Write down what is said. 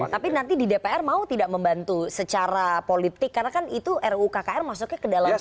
tapi nanti di dpr mau tidak membantu secara politik karena kan itu ru kkr masuknya ke dalam prognos dua ribu dua puluh